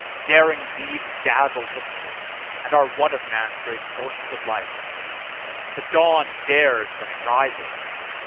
Daring deeds dazzle history and are one of man's great sources of light. The dawn dares when it rises.